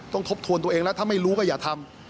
ทบทวนตัวเองแล้วถ้าไม่รู้ก็อย่าทำ